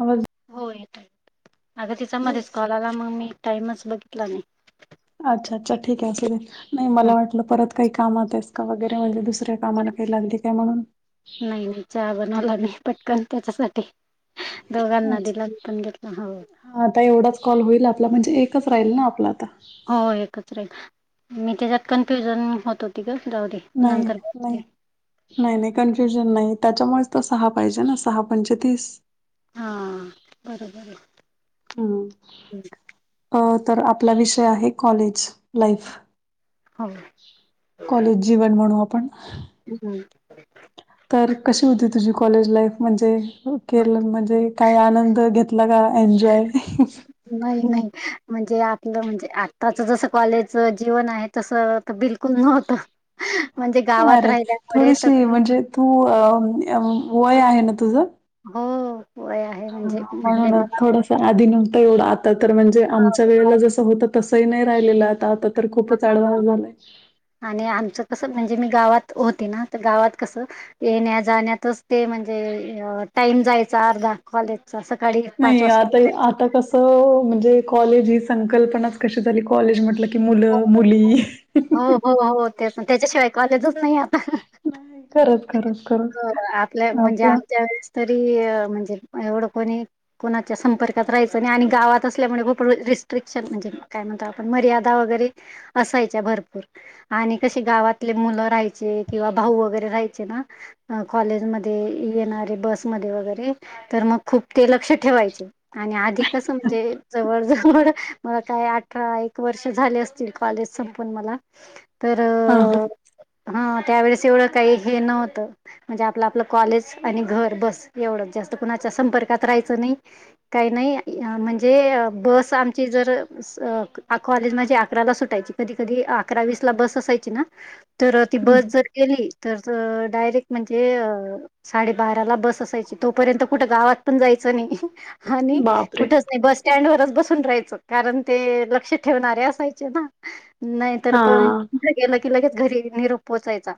आवाज. हो अग तिचा मध्येच कॉल आला मग मी टाइमच बघितला नाही. अच्छा अच्छा ठीक आहे असू दे नाही मला वाटलं परत काही कामात आहेस का वगैरे म्हणजे दुस ऱ्या कामाला काही लागली काय म्हणून. नाही नाही चहा बनवला मी पटकन त्याच्यासाठी दोघांना दिलामी पण घेतलं हो. ह आता एवढाच कॉल होईल आपला म्हणजे एकच राहील ना आपला आता. हो एकत्र राहील मी त्याच्यात कन्फ्युजन होत होती ग जाऊ दे. नाही नंतर बघते. नाही. नाही नाही कन्फ्युजन नाही त्याच्यामुळेच तो सहा पाहिजे ना सहा पंचेतीस. हा बरोबर. अ तर आपला विषय आहे कॉलेज लाईफ. हो. कॉलेज जीवन म्हणू आपण. हम्म. तर कशी होती तुझी कॉलेज लाईफ म्हणजे केर म्हणजे. काही आनंद घेतला का एन्जॉय ह ह. नाही नाही म्हणजे आपलं म्हणजे आत्ताच जस कॉलेज जीवन आहे. तसं तर बिलकुल नव्हतं. [inaudible] म्हणजे गावात अरे राहिल्यामुळे तर थोडीशी म्हणजे तू अ वय आहे ना तुझं. हो वय आहे अ, म्हणजे म् म्हणून [unintelligible] मग. थोडस आधी नव्हतता एवढं आता तर म्हणजे आमच्या वेळेला जसं होतं तसंही नाही राहिलेलं आता आता. तर खूपच आडवा [unintelligible] झालाय. आणि आमचं कसं म्हणजे मी गावात होते ना तर गावात कसं. येण्या जाण्यातच ते म्हणजे अ टाईम जायचा अर्धा. कॉलेज अस काय. नाही आता आता कस. हो म्हणजे कॉलेज ही संकल्पनाच कशी झाली कॉलेज म्हटल कि मुलं-मुली ते त्याच्याशिवाय कॉलेजच नाही आता. खरंच खरंच. खरंच हा आपल्या म्हणजे आपलं आमच्या वेळेस तरी म्हणजे एवढं कोणी कोणाच्या संपर्कात राहायचं नाही आणि गावात असल्यामुळे खूप रिस्ट्रिक्शन म्हणजे काय म्हणतो आपण मर्यादा वगैरे असायच्या भरपूर आणि कसे गावातले मुलं राहायचे किंवा भाऊ वगैरे राहायचे ना? ह कॉलेजमध्ये येणारे बसमध्ये वगैरे तर मग खूप ते लक्ष ठेवायचे. आणि आधी कस म्हणजे जवळ जवळ मला काय अठरा एक वर्ष झाले अस ड कॉलेज संपवून मला तर हा हा. अ हा त्यावेेळेस एवढं काही हे नव्हतं. म्हणजे आपलं आपलं कॉलेज आणि घर बस एवढंच जास्त कुणाच्या संपर्कात राहायचं नाही. काही नाही म्हणजे बस आमची जर स कॉलेज म्हणजे अकराला सुटायची कधी कधी अकरा वीस ला बस असायची ना तर ती बस जर गेली तर डायरेक्ट म्हणजे अ साडेबाराला बस असायची तोपर्यंत कुठे गावात पण जायचं नाही. आणि बापरे कुठच नाही बस स्टँड वरच बसून राहायचं कारण ते लक्ष ठेवणारे असायचे ना नाही तर हा पण कुठ गेलं की लगेच घरी निरोप पोहोचायचा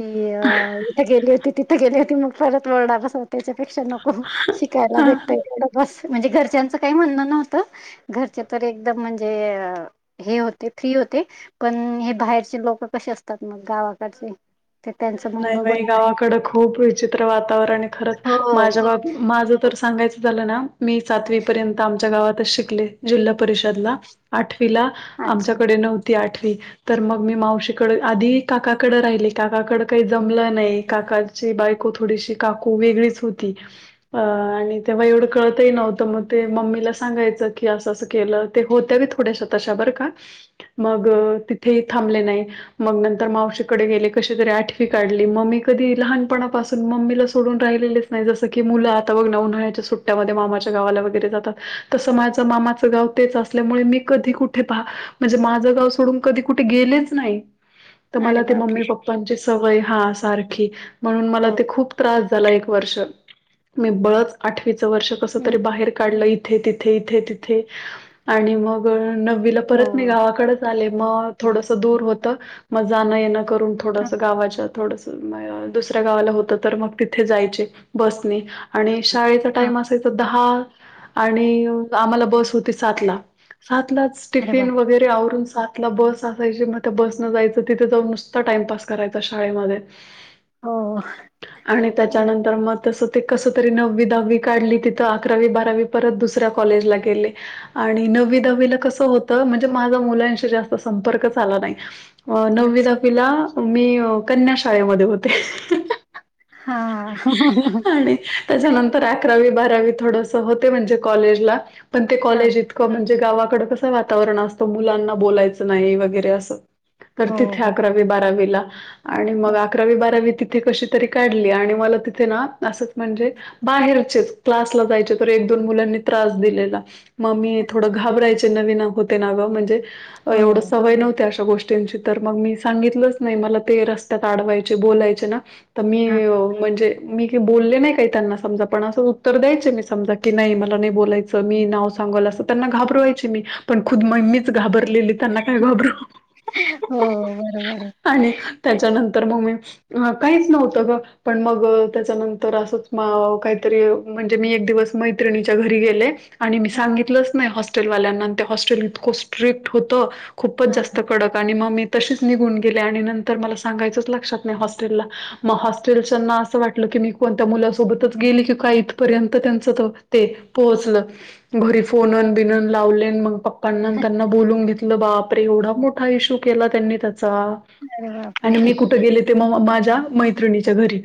की अ त गेली होती तिथे गेली होती मग परत ओरडा बस त्याच्यापेक्षा नको शिकायला हा भेटतय एवढं बस म्हणजे घरच्यांचं काही म्हणणं नव्हतं. घरचे तर एकदम म्हणजे अ हे होते फ्री होते पण हे बाहेरचे लोक कसे असतात मग गावाकडचे ते त्यांच नाही बाई गावाकड खूप विचित्र वातावरण खरंच हो. माझ्या हो. गाव माझं तर सांगायचं झालं ना मी सातवी पर्यंत आमच्या गावातच शिकले जिल्हा परिषदला. आठवीला अच्छा आमच्याकडे नव्हती आठवी तर मग मी मावशीकडे आधी काकाकडे राहिली काकाकडे काही जमलं नाही काकांची बायको थोडीशी काकू वेगळीच होती. अ आणि तेव्हा एवढं कळतही नव्हतं मग ते मम्मीला सांगायचं की असं असं केलं ते होत्या बी थोड्याशात तशा बरं का. मग तिथेही थांबले नाही मग नंतर मावशीकडे गेले कसे तरी आठ काढली मग मी कधी लहानपणापासून मम्मीला सोडून राहिलेलेच नाही जसं की मुलं आता बघ ना उन्हाण्यायच्या सुट्ट ट्यामध्ये मामाच्या गावाला वगैरे जातात तसं माझं मामाचं गाव तेच असल्यामुळे मी कधी कुठे पहा म्हणजे माझं गाव सोडून कधी कुठे गेलेच नाही. तर अरे मला ते बापरे! मम्मी पप्पांची सवय हा सारखी म्हणून हो. मला ते खूप त्रास झाल एक वर्ष मी बळच आठवीच वर्ष कस हं. तरी बाहेर काढलं. ईथे तिथे इथे तिथे आणि मग नववीला परत मी हो. गावाकडेच आले मग थोडसं दूर होत मग जाणं येणं करून हां, थोडस गावाच्या थोडस दुसऱ्या गावाला होत तर मग तिथे जायचे बसनी. आणि शाळेचा हां. टाइम असायचा दहा. आणि आम्हाला बस होती सात ला सात लाच अरे टिफिन बापरे! वगैरे आवरून सात बस असायची मग त्या बस न जायचं तिथे जाऊन नुसत टाइमपास करायच शाळेमध्ये. हो. आणि अरे त्याच्यानंतर मग तसं ते कस तरी नववी दहावी काढली तिथं अकरावी बारावी परत दुसऱ्या कॉलेजला गेले. आणि नववी बापरे! दहावीला कसं होतं म्हणजे माझा मुलांशी जास्त संपर्कच आला नाही. नवी अच्छा दहाविला मी कन्या शाळेमध्ये होते. हा....... आणि त्याच्यानंतर अकरावी बारावी थोडंसं होते. म्हणजे कॉलेजला, पण ते हां. कॉलेज इतकं म्हणजे, ते गावाकडं कसं वातावरण असतं, मुलांना बोलायचं नाही वगैरे असं. करतीत हो हे बरं. अकरावी बारावी. आणि मग अकरावी बारावी तिथे कशी तरी काढली. आणि मला तिथे ना, असंच म्हणजे बाहेरचेच, क्लासला जायचे तर एक दोन मुलांनी त्रास दिलेला. मग मी थोडं घाबरायचे नवीन होते ना गं. म्हणजे एवढं हो. सवय नव्हते अशा गोष्टी तेच तर मग मी सांगितलंच नाही, मला ते रस्त्यात अडवायचे बोलायचे ना. तर मी हां. म्हणजे, मी बोलले नाही काही त्यांना समजा, पण असं उत्तर द्यायचे मी समजा की, नाही मला नाही बोलायचं. मी नाव सांगल असं, त्यांना घाबरवायचे मी. पण खुद मम्मीच घाबरलेली, त्यांना काय घाबरू. हो बरोबर ये. आणि त्याच्यानंतर मग मी, काहीच नव्हतं गं. पण मग त्याच्यानंतर असंच काहीतरी म्हणजे, मी एक दिवस मैत्रिणीच्या घरी गेले. आणि मी सांगितलंच नाही, हॉस्टेलवाल्यांना ते हॉस्टेल इतकं स्ट्रिक्ट होतं. खूपच हा जास्त कडक आणि मग मी तशीच निघून गेले. आणि नंतर मला सांगायचंच लक्षात नाही हॉस्टेला. मग हॉस्टेलच्याना असं वाटलं की, मी कोणत्या मुलांसोबत गेली की काय इथपर्यंत त्यांच तर, ते पोहोचल. घरी फोनन बिनून लावले मग प पण नंतरन बोलून घेतलं बाप रे, एवढा मोठा इशू केला त्यांनी त्यांचा. अरे बापरे आणि मी कुठे गेले ते, म माझ्या मैत्रिणीच्या घरी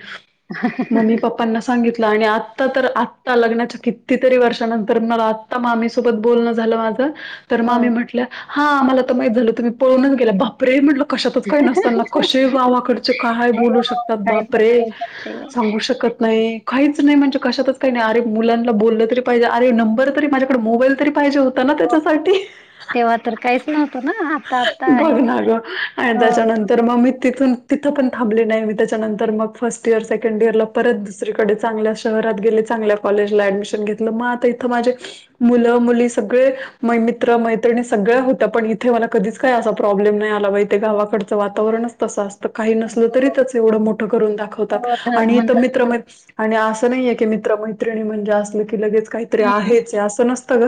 मम्मी पप्पा. त्यांना सांगितलं. आणि आता तर आत्ता लग्नाच्या कितीतरी वर्षानंतर मला, मामी सोबत बोलणं झालं माझं. तर हो हो, मामी म्हटलं हा आम्हाला तर माहीत झालं, तुम्ही पळूनच गेला बापरे म्हटल कशा काही नसताना कसे, गावाकडचे काय बोलू हो. शकतात काय पण बापरे. करू शकते. सांगू शकत नाही काहीच नाही, म्हणजे कशातच काही नाही. अरे मुलांना बोललं तरी पाहिजे, अरे नंबर तरी माझ्याकडे मोबाईल. तरी पाहिजे हो [unintelligible] तेव्हा तर काहीच नव्हतं ना आता आता बघ आहे ते ना गं आणि हो त्यांच्या नंतर, मग मी तिथून तिथं पण थांबली नाही, मी त्याच्यानंतर मग फर्स्ट इयर सेकंड इयरला. परत दुसरीकडे चांगल्या शहरात गेले. चांगल्या कॉलेजला ॲडमिशन घेतलं मग आता इथं माझे, मुलं मुली सगळे मै -मित्र मैत्रिणी सगळ्या होत्या. पण इथे मला कधीच, काय असा प्रॉब्लेम नाही आला, बाई तेे गावाकडचं वातावरणच तसं असतं. काही नसल तरी हो त्या हो एवढं मोठं करून दाखवतात. हो ध आणि तर म्हणतात मित्र मै आणि असं नाही आहे की, मित्र मैत्रिणी म्हणजे असलं की लगेच. काहीतरी हम्म आहेच, असं नसतं गं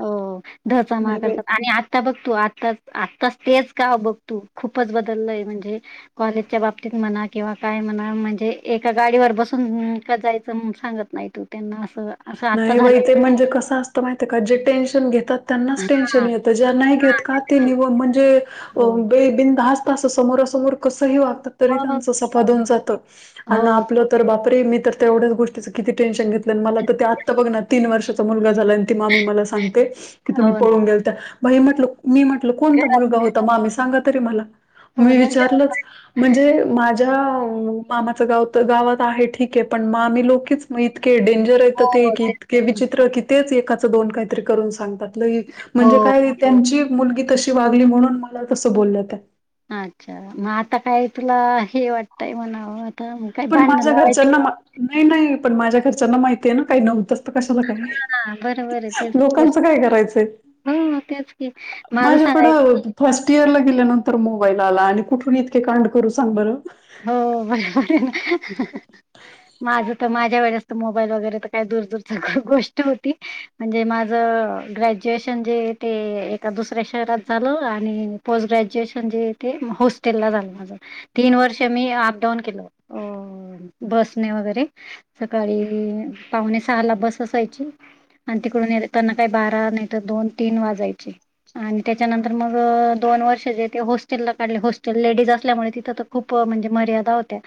हो धचामा नाही बाई. करतात आणि आता बघतू आताच आताच, तेच का बघतू खूपच बदलय म्हणजे, कॉलेजच्या बाबतीत म्हणा किंवा काय म्हणा, म्हणजे एका गाडीवर बसून जायचं काय सांगत नाही. तू त्यांना असं, असं आता नाही बाई झालेलं ते म्हणजे कसं असतं, माहितय का जे टेन्शन घेतात. त्यांनाच आहे टेन्शन हा येत, ज्या नाही घेत का ते म्हणजे हो [unintelligible] बिनधास्त समोरासमोर कसं, ही वागत तरी त्यां हो सपाधन जात आण हो आपलं. तर बापरे, मी तर तेवढ्याच गोष्टीचं किती टेन्शन घेतलं मला ते. तर ते आत्ता बघ ना तीन वर्षाचा मुलगा झाला. आणि ती मामी मला सांगते की, तुम्ही हो ना पळून गेलता. भाई म्हटलं मी म्हटल कोणता मुलगा होता, मामी सांगा तरी मला हो मी ना. विचारलंच. म्हणजे माझ्या मामाचं गाव गावात आहे, ठीक आहे पण मामी लोकीच. मग इतके डेंजर हेतती हो, ते हो, की, इतके विचित्र की तेच एकाचं दोन काहीतरी करून सांगतात. लै म्हणजे हो काय, त्यांची मुलगी तशी वागली म्हणून, मला तसं बोल्या त्या. अच्छा, मग आता काय तुला हे वाटतंय म्हणावं. आता मग काय पण भांडणं माझ्या लावायचे घरच्यांना नाही, नाही पण माझ्या घरच्यांना माहिती आहे ना. काही नव्हतंचत कशाला काय, हा, बर बर तेच तेच लोकांचं काय करायचंय. हो, तेच की माझ सांगायचं. माझ्याकडं फर्स्ट इयर ला गेल्यानंतर मोबाईल आला आणि कुठून इतके कांड करू सांग बरं. हो माझ तर माझ्या वेळेस मोबाईल वगैरे का दूर दूर गोष्ट होती म्हणजे माझ ग ग्रॅज्युएशन ते एका दुसऱ्या शहरात झालं आणि पोस्ट ग्रॅज्युएशन जे ते होस्ट तीन वर्ष मी अपडाऊन केलं अ बसने वगैरे सकाळी पावणे सहा ला बस असायची. आणि तिकडून निघताना काही बारा नाही तर दोन तीन वाजायची. आणि त्याच्यानंतर मग दोन वर्ष जे ते हॉस्टेलला काढले हॉस्टेल लेडीज असल्यामुळे तिथं तर खूप प म्हणजे मर्यादा होत्या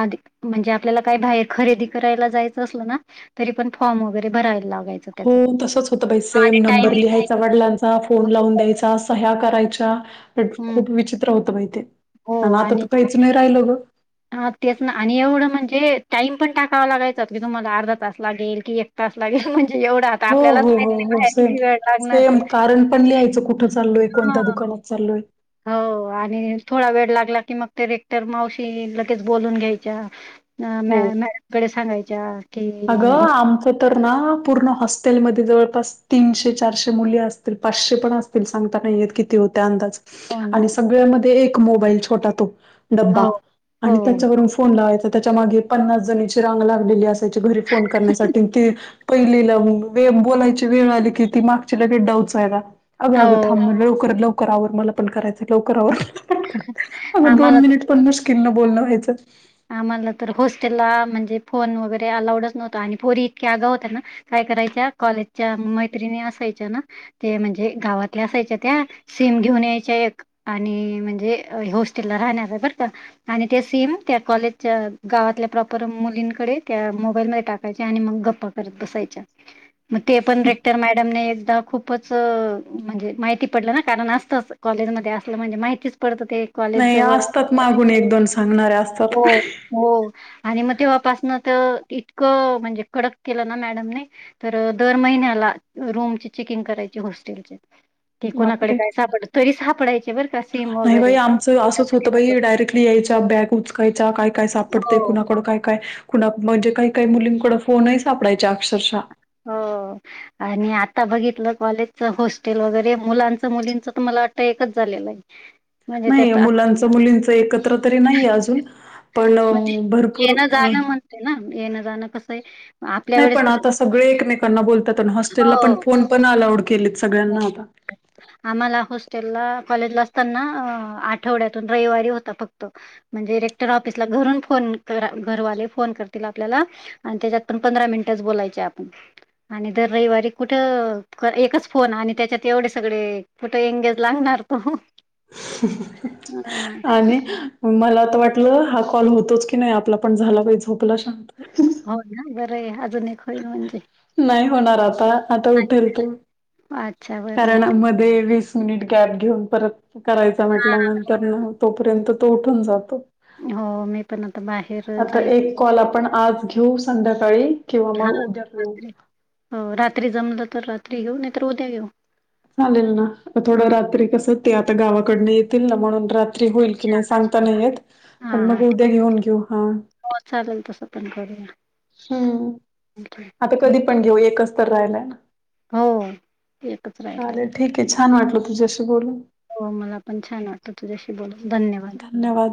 आधी म्हणजे आपल्याला काही बाहेर खरेदी करायला जायचं असलं ना तरी पण फॉर्म वगैरे भरायला लागायचं. हो त्याच तसंच होतं बाई सेम आणि नंबर टायमिंग लिहायचा वडिलांचा फोन लावून द्यायचा. ह्या करायच्या हम्म खूप विचित्र होत बाई ते आणि आता तर काहीच नाही राहिलं ग. हा तेच ना आणि एवढं म्हणजे टाइम पण टाकावा लागायचा की तुम्हाला अर्धा तास लागेल की, तास लागेल म्हणजे एवढा आता हो आपल्यालाच हो माहित हो नाही हो बाहेर सेम किती वेळ लागणार सेम तर कारण पण लिहायचं कुठं चाललोय कोणत्या हा दुकानात? चालोय हो आणि थोडा वेळ लागला की मग रेक्टर मावशी लगेच बोलून घ्यायच्या. ह हो. मॅम मॅडमकडे सांगायच्या. की अगं! आमचं तर ना पूर्ण हॉस्टेलमध्ये जवळपास तीनशे, चारशे मुली असतील, पाचशे पण असतील. तरी सांगता नाहीयेत किती होत्या अंदाज? हो ना आणि सगळ्यामध्ये एक मोबाईल छोटा तो डब्बा. हो हो आणि त्याच्यावरून फोन लावायचा त्याच्या मागे पन्नास जणीची रांग लागलेली अस त्यांचं घरी फोन करण्यासाठी ते पहिलेला बोलायची वेळ आली की ती मागची लगे डवचायला. अगं अगं हो थांब लवकर लवकर आवर मला पण करायचं लवकर आवर अगं दोन आम्हाला मिनिट. पण मुस्किलन बोलणं व्हायचं. आम्हाला तर होॉस्टेलला म्हणजे फोन वगैरे अलाऊडच नव्हता आणि पोरी इतक्या आगाव होत्या ना काय करायच्या कॉलेजच्या मैत्रिणी असायच्या ना, ते म्हणजे गावातल्या असायच्या त्या सीम घेऊन यायच्या एक आणि म्हणजे हाॅस्टेलला राहणार आहे बरं का आणि ते सीम त्या कॉलेजच्या गावातल्या प्रॉपर मुलींकडे त्या मोबाईलमध्ये टाकायच्या आणि मग गप्पा करत बसायच्या [inaudible] मग ते पण रेक्टर मॅडमने एकदा खूप खूपच म्हणजे माहिती पडलं ना कारण असतंच कॉलेजमध्ये असलं म्हणजे माहितीच पडतं ते. कॉलेज नाही जवळ असतात मागून एक दोन सांगणाऱ्या असत. हो हो आणि मग तेव्हापासनं तर इतकं म्हणजे कडक केलं ना मॅडमने. तर दर महिन्याला रूमची चेकिंग करायची हॉस्टेलचे. ते कोणाकडे बापरे! काय सापडत तरी सापडयचे बर नाही बाई आमचं असंच होतं बाई डायरेक्टली यायच्या बॅग उच कायच काय काय सापडते हो, कुणाकड काय काय? कुणा म्हणजे काही काही मुलींकड फोन आहे सापडायच्या अक्षरशा हो आणि आता बघितलं कॉलेजच हॉस्टेल वगैरे मुलांच मुलींच तर मला वाटतं एकच झालेलं आहे. म्हणजे नाही त्यात आता मुलांच मुलींच एकत्र तरी नाहीये अजून म्हणजे पण भरपूर अ येणं-जाणं म्हणते ना येणं जाणं कसंय नाही पण आता सगळे एकमेकांना बोलतात. आणि हॉस्टेलला हो, पण फोन पण अलाउड केलेत हो. सगळ्यांना आता. आम्हाला हॉस्टेलला कॉलेजला असताना आठवड्यातून रविवारी होता फक्त म्हणजेरेक्टर ऑफिसला घरून फोन घरवाले फोन करतील आपल्याला आणि त्याच्यात पण पंधरा मिनिटच बोलायचे आपण आणि दर रविवारी कुठं एकच फोन आणि त्याच्यात एवढे सगळे कुठे एंगेज लागणार तो आणि मला आता वाटलं हा कॉल होतोच की नाही आपला पण झाला काही झोपला शांत हो ना बरंय अजून एक होईल म्हणजे नाही होणार आता आता उठेल तो अच कारण मध्ये वीस मिनिट गॅप घेऊन परत करायचा हा म्हटल्यानंतर ना तोपर्यंत तो उठून जातो हो मी पण आता बाहेर आता जायच एक कॉल आपण आज घेऊ संध्याकाळी किंवा हा मग उद्या घेऊ. र हो रात्री जमलं तर रात्री घेऊ नाही तरर उद्या घेऊ चालेल ना हा थोडं रात्री कस ते आता गावाकडन येतील ना म्हणून रात होईल की नाही सांगता नाहीेत हा पण हा मग उद्या घेऊन घेऊ हा हो चालेल तसं पण करूया हम्म आता हम्म. कधी पण घेऊ एकच तर राहिलाय ना हो एकच राहिला चालेल आहे. ठीक छान वाटलं तुझ्याशी बोलून हो मला पण छान वाटतं तुझ्याशी बोलून धन्यवाद. धन्यवाद.